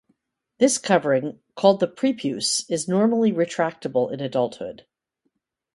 This covering, called the prepuce, is normally retractable in adulthood.